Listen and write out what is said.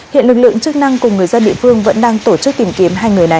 hiện lực lượng chức năng cùng người dân địa phương vẫn đang tổ chức tìm kiếm hai người này